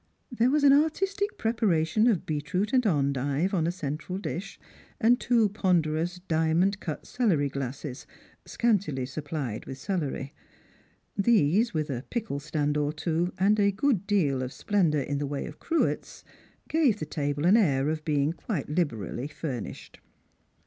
There was an artistic preparation of beetroot and endive on a centre dish, and two ponderous diamond cut celery glasses, scantily supplied with celery ; these, with a pickle stand or two, and a good deal of splendour in the way of cruets, gave the table an air of being quite liberally furnished.